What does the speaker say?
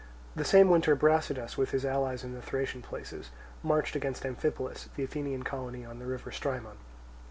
The same winter Brasidas, with his allies in the Thracian places, marched against Amphipolis, the Athenian colony on the river Strymon.